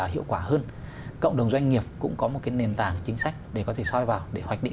hiệu quả hơn cộng đồng doanh nghiệp cũng có một cái nền tảng chính sách để có thể soi vào để